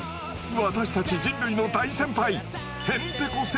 私たち人類の大先輩へんてこ